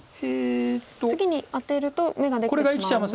次にアテると眼ができてしまうので。